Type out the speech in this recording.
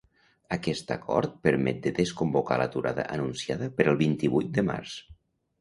Aquest acord permet de desconvocar l’aturada anunciada per al vint-i-vuit de març.